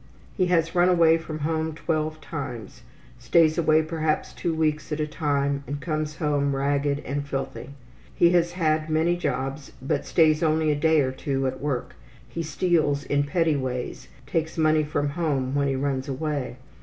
He has run away from home twelve times, stays away perhaps two weeks at a time, and comes home ragged and filthy. He has had many jobs, but stays only a day or two at work. He steals in petty ways, takes money from home when he runs away.